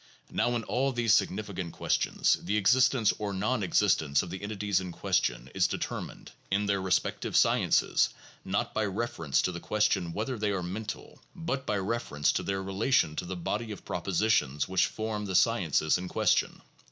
Now in all these significant ques tions, the existence or non existence of the entities in question is de termined, in their respective sciences, not by reference to the ques tion whether they are mental, but by reference to their relation to the body of propositions which form the sciences in question.